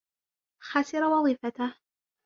خسر وظيفته.